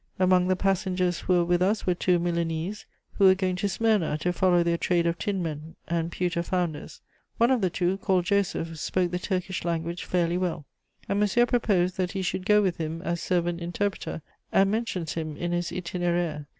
Among the passengers who were with us were two Milanese, who were going to Smyrna to follow their trade of tinmen and pewter founders. One of the two, called Joseph, spoke the Turkish language fairly well, and Monsieur proposed that he should go with him as servant interpreter, and mentions him in his _Itinéraire.